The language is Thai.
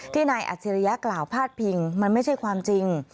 นายอัจฉริยะกล่าวพาดพิงมันไม่ใช่ความจริง